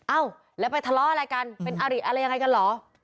เอ้าแล้วไปทะเลาะอะไรกันเป็นอริอะไรยังไงกันเหรอ